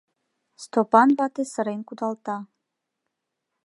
— Стопан вате сырен кудалта.